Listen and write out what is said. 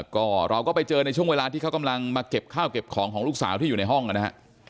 ก็เราก็ไปเจอในช่วงเวลาที่เขากำลังมาเก็บข้าวเก็บของของลูกสาวที่อยู่ในห้องนะฮะ